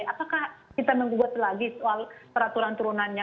apakah kita menggugat lagi soal peraturan turunannya